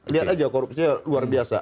lihat aja korupsinya luar biasa